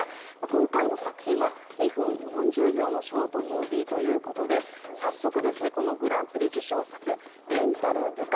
今回の作品は２分４０秒のショートムービーということで早速このグランプリ受賞作「レンタル部下」